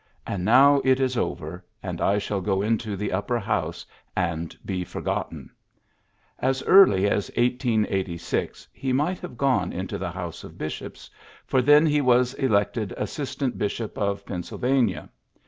And now it Is over; and I shall go into the upper house, and be forgotten." As early as 1886 he might have gone into the House of Bishops, for then he was elected Assistant Bishop of Pennsylvania.